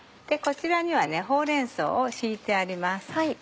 こちらにはほうれん草を敷いてあります。